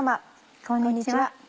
こんにちは。